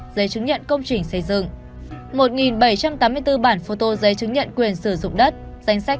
giấy chứng nhận công trình xây dựng một bảy trăm tám mươi bốn bản phô tô giấy chứng nhận quyền sử dụng đất danh sách